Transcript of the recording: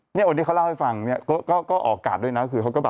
อันนี้เขาร่าวให้ฟังออกกาดด้วยนะ